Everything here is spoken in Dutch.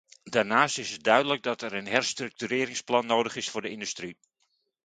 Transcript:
Daarnaast is het duidelijk dat er een herstructureringsplan nodig is voor de industrie.